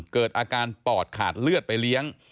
เกิดอาการปอดขาดเลือดไปเลี้ยง